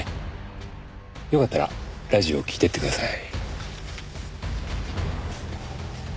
よかったらラジオ聴いてってください。